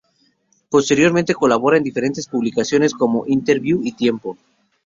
Posteriormente colabora en diferentes publicaciones como "Interviú" y "Tiempo".